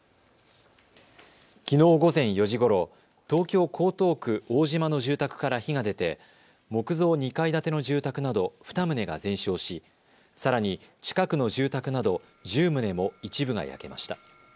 きのう午前４時ごろ、東京江東区大島の住宅から火が出て木造２階建ての住宅など２棟が全焼し、さらに近くの住宅など１０棟も一部が焼けました。